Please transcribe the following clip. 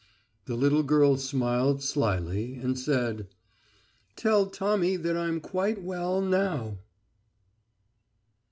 The little girl smiled slyly and said: "Tell Tommy that I'm quite well now."